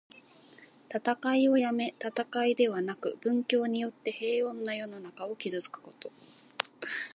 戦いをやめ、戦いではなく、文教によって平穏な世の中を築くこと。